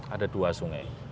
ada dua sungai